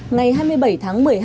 ngày hai mươi bảy tháng một mươi hai